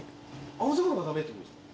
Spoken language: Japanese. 青魚がダメって事ですか？